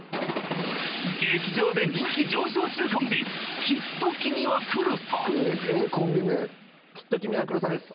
劇場で人気上昇中コンビきっと君はくるさです